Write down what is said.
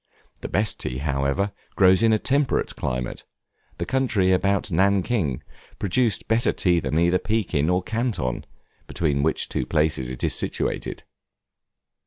The best tea, however, grows in a temperate climate, the country about Nankin producing better tea than either Pekin or Canton, between which two places it is situated.